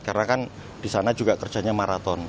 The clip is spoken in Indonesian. karena kan di sana juga kerjanya maraton